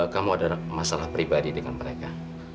kamu ada masalah pribadi dengan mereka